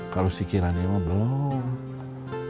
kalau si kirani mah belum